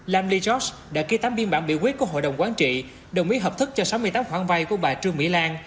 lam lee george đã ký tám biên bản biểu quyết của hội đồng quán trị đồng ý hợp thức cho sáu mươi tám khoản vay của bà trương mỹ lan